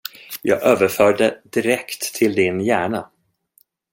Jag överför det direkt till din hjärna.